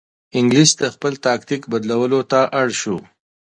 انګلیس د خپل تاکتیک بدلولو ته اړ شو.